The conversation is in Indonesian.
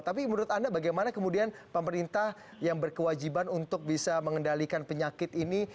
tapi menurut anda bagaimana kemudian pemerintah yang berkewajiban untuk bisa mengendalikan penyakit ini